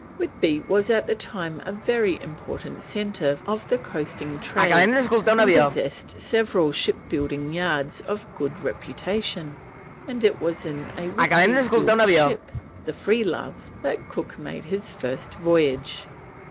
Whitby was at the time a very important centre of the coasting trade, and possessed several shipbuilding yards of good reputation, and it was in a Whitby built ship, the Freelove, that Cook made his first voyage.